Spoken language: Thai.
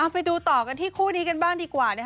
ไปดูต่อกันที่คู่นี้กันบ้างดีกว่า